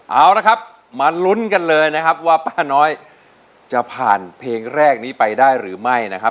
เอาละครับมาลุ้นกันเลยนะครับว่าป้าน้อยจะผ่านเพลงแรกนี้ไปได้หรือไม่นะครับ